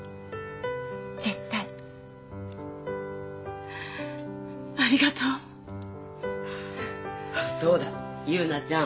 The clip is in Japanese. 絶対ありがとうそうだ優奈ちゃん